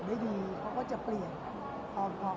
พี่คิดว่าเข้างานทุกครั้งอยู่หรือเปล่า